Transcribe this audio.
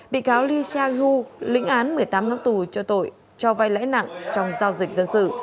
bị cáo lee sa hu lĩnh án một mươi tám tháng tù cho tội cho vai lãi nặng trong giao dịch dân sự